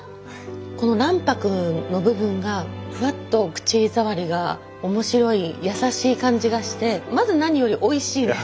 この卵白の部分がふわっと口触りが面白いやさしい感じがしてまず何よりおいしいです。